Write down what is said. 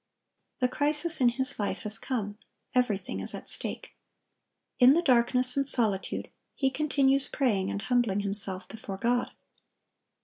The crisis in his life has come; everything is at stake. In the darkness and solitude he continues praying and humbling himself before God.